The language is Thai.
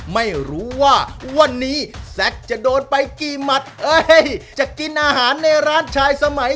ไม่รู้ว่าวันนี้แซ็กจะโดนไปกี่หมัดเอ้ยจะกินอาหารในร้านชายสมัย